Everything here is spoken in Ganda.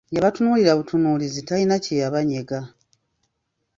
Yabatunuulira butunuulizi talina kyeyabanyega.